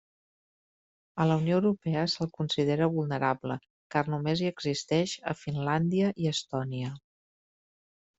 A la Unió Europea se'l considera vulnerable, car només hi existeix a Finlàndia i Estònia.